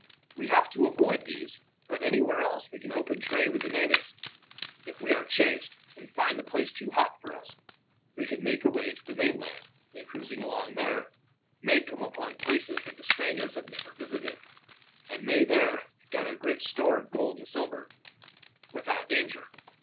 We have to avoid these, but anywhere else we can open trade with the natives. If we are chased, and find the place too hot for us, we can make away to the mainland and, cruising along there, may come upon places that the Spaniards have never visited, and may there gather great store of gold and silver, without danger.